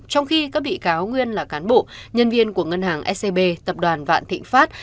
trong khi các bị cáo nguyên là cán bộ nhân viên của ngân hàng scb tập đoàn vạn thịnh pháp